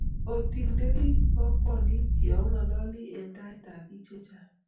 otingderi bokwondit ya ong'ololi eng taitab biik chechang